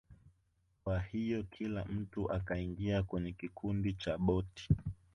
Kwa hiyo kila mtu akaingia kwenye kikundi cha boti